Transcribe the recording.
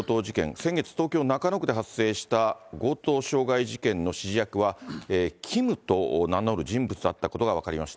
先月、東京・中野区で発生した強盗傷害事件の指示役は、ＫＩＭと名乗る人物だったことが分かりました。